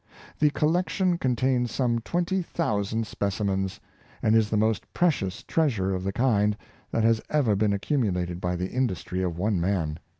The collection contains some twenty thousand specimens, and is the most precious treasure of the kind that has ever been accumulated by the industry of one man.